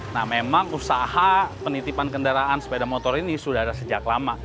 nah memang usaha penitipan kendaraan sepeda motor ini sudah ada sejak lama